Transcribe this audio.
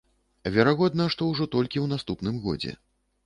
Верагодна, што ўжо толькі ў наступным годзе.